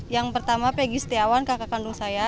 yang pertama peggy setiawan kakak kandung saya